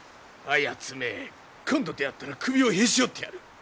あやつめ今度出会ったら首をへし折ってやる！